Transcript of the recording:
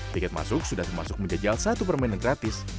tiket masuk sudah termasuk menjajal satu permainan gratis